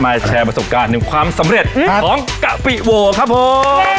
แชร์ประสบการณ์หนึ่งความสำเร็จของกะปิโวครับผม